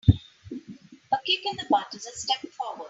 A kick in the butt is a step forward.